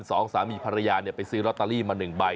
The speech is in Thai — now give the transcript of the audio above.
สองสามีภรรยาไปซื้อลอตเตอรี่มาหนึ่งใบ